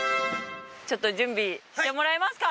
ちょっと準備してもらいますか？